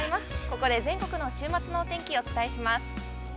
ここで全国の週末のお天気をお伝えします。